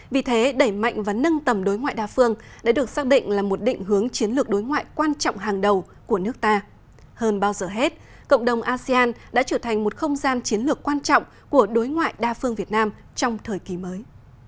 vì thế đẩy mạnh và nâng tầm đối ngoại đa phương đã được xác định là một định hướng chiến lược đối ngoại quan trọng hàng đầu của nước ta hơn bao giờ hết cộng đồng asean đã trở thành một không gian chiến lược quan trọng của đối ngoại đa phương việt nam trong thời kỳ mới